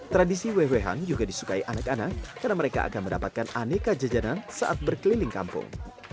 tradisi wewehang juga disukai anak anak karena mereka akan mendapatkan aneka jajanan saat berkeliling kampung